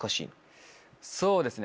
そうですね